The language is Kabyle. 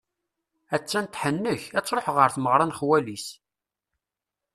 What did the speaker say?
Att-an tḥennek, ad truḥ ɣer tmeɣra n xwali-s.